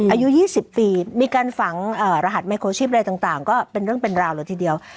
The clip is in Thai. อายุ๒๐ปีมีการฝังรหัสไมโครชีพอะไรต่างก็เป็นเรื่องเป็นราวเลยทีเดียว